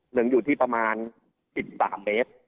หนึ่งอยู่ที่ประมาณ๑๓เมตร